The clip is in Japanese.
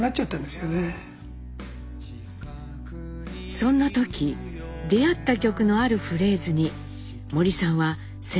そんな時出会った曲のあるフレーズに森さんは背中を押されました。